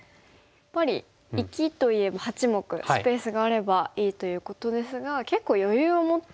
やっぱり生きといえば８目スペースがあればいいということですが結構余裕を持ってありそうですね。